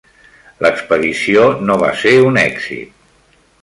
L'expedició no va ser un èxit.